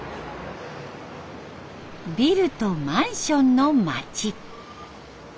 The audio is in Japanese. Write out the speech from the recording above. ビルとマンションの町。